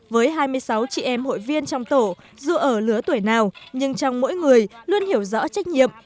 với hai mươi sáu chị em hội viên trong tổ dù ở lứa tuổi nào nhưng trong mỗi người luôn hiểu rõ trách nhiệm